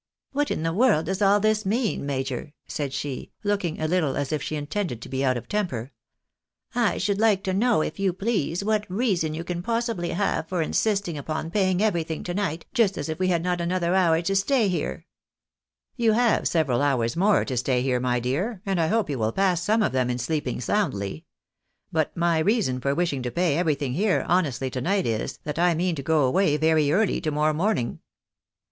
"What in the world does all this mean, major?" said she, looking a Uttle as if she intended to be out of temper. " I should like to know, if you please, what reason you can possibly have for insisting upon paying everything to night, just as if we had not another hour to stay here ?"" You have several hours more to stay here, my dear, and I hope you will pass some of them in sleejiing soundly. But my reason CHARGE OF MADNfeSS AGAINST THE MAJOE. 233 for wishing to pay everything here, honestly, to night is, that I mean to go away very early to morrow morning."